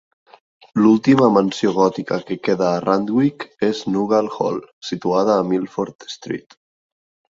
L'última mansió gòtica que queda a Randwick és Nugal Hall, situada a Milford Street.